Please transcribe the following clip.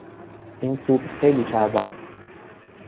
این سوپ خیلی چرب است.